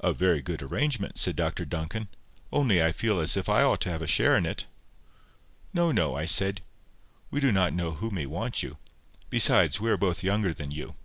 "A very good arrangement," said Dr Duncan; "only I feel as if I ought to have a share in it." "No, no," I said. "We do not know who may want you. Besides, we are both younger than you."